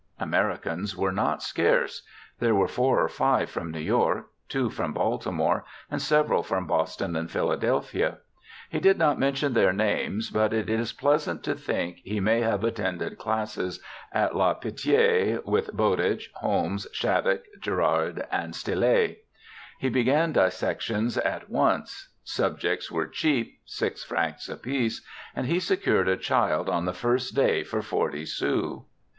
Americans were not scarce ; there were four or five from New York, two from Baltimore, and several from Boston and Philadelphia. He did not mention their names, but it is pleasant to think he may have attended classes at La Pitie with Bowditch, Holmes, Shattuck, Gerhard, and Stille. He began dissections at once ; subjects were cheap— six francs apiece— and he secured a child on the first day for forty sous.